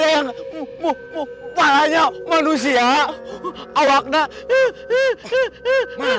yang mumpuh malahnya manusia awak nah